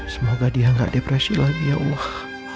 semoga dia gak depresi lagi ya allah